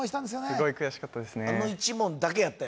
すごい悔しかったですね